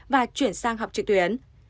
và chuyển sang học trực tuyến